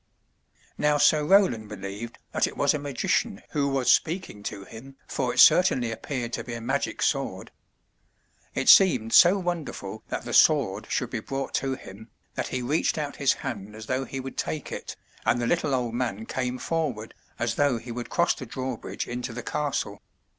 Now Sir Roland believed that it was a magician who was speaking to him, for it certainly appeared to be a magic sword. It seemed so wonderful that the sword should be brought to him, that he reached out his hand as though he would take it, and the little old man came forward, as though he would cross the drawbridge into the castle.